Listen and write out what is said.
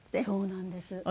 そうなんです。